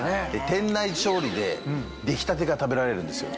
店内調理で出来たてが食べられるんですよ。